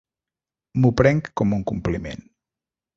M'ho prenc com un compliment.